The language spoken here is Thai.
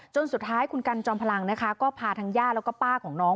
สุดท้ายคุณกันจอมพลังนะคะก็พาทั้งย่าแล้วก็ป้าของน้อง